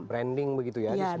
branding begitu ya di semua tempat